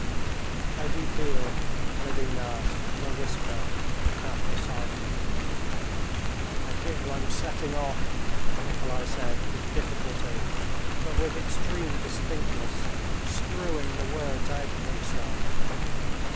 "How do you feel?" Levin asked in a whisper, after a silence. "I feel I'm setting off," Nikolay said with difficulty, but with extreme distinctness, screwing the words out of himself.